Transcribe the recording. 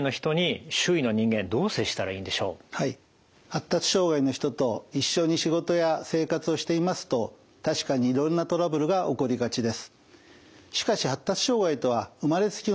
発達障害の人と一緒に仕事や生活をしていますと確かにいろんなトラブルが起こりがちです。